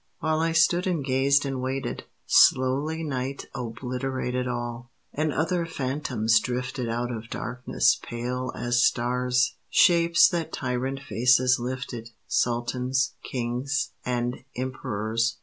While I stood and gazed and waited, Slowly night obliterated All; and other phantoms drifted Out of darkness pale as stars; Shapes that tyrant faces lifted, Sultans, kings, and emperors.